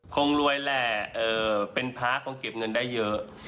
คงรวยแหละเป็นพระคงเก็บเงินได้เยอะ